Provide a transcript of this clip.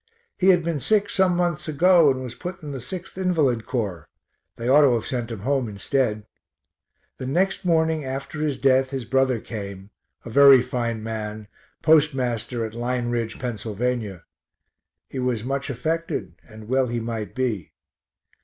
He had been sick some months ago and was put in the 6th Invalid Corps they ought to have sent him home instead. The next morning after his death his brother came, a very fine man, postmaster at Lyne Ridge, Pa. he was much affected, and well he might be.